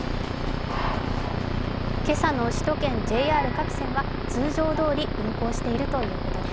今朝の首都圏ＪＲ各線は通常どおり運行しているということです。